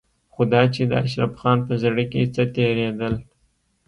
خو دا چې د اشرف خان په زړه کې څه تېرېدل.